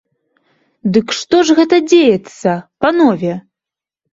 Дык што ж гэта дзеецца, панове?